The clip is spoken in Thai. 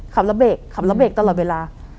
ขับแล้วเบรกขับแล้วเบรกตลอดเวลา